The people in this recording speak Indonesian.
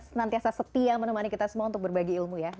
senantiasa setia menemani kita semua untuk berbagi ilmu ya